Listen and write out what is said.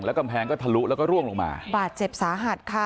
กำแพงก็ทะลุแล้วก็ร่วงลงมาบาดเจ็บสาหัสค่ะ